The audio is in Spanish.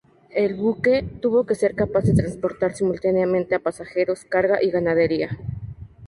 El buque tuvo que ser capaz de transportar simultáneamente a pasajeros, carga, y ganadería.